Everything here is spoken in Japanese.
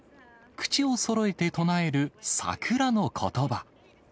口をそろえて唱える桜のことば。